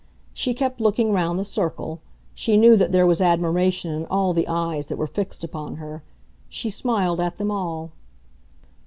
She kept looking round the circle; she knew that there was admiration in all the eyes that were fixed upon her. She smiled at them all.